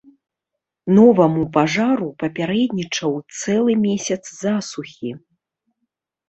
Новаму пажару папярэднічаў цэлы месяц засухі.